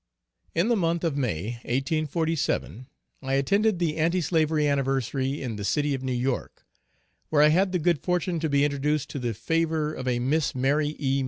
In the month of May, 1847, I attended the anti slavery anniversary in the city of New York, where I had the good fortune to be introduced to the favor of a Miss Mary E.